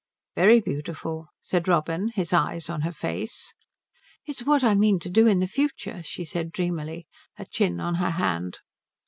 "Very beautiful," said Robin, his eyes on her face. "It is what I mean to do in future," she said dreamily, her chin on her hand.